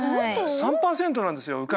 ３％なんですよ。